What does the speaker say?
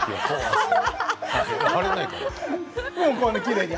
貼れないから。